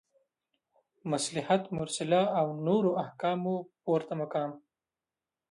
مصلحت مرسله او نورو احکامو پورته مقام